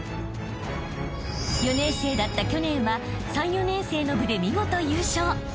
［４年生だった去年は３・４年生の部で見事優勝］